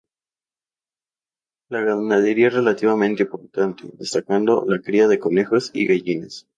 La ganadería es relativamente importante, destacando la cría de conejos y gallinas.